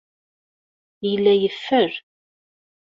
Yella yeffer.